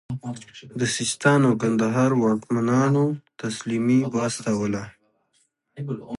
د سیستان او کندهار واکمنانو تسلیمي واستوله.